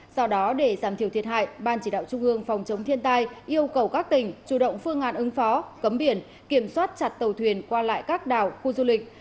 do đó để giảm thiểu thiệt hại ban chỉ đạo trung ương phòng chống thiên tai yêu cầu các tỉnh chủ động phương án ứng phó cấm biển kiểm soát chặt tàu thuyền qua lại các đảo khu du lịch